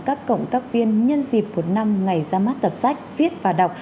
các cộng tác viên nhân dịp một năm ngày ra mắt tập sách viết và đọc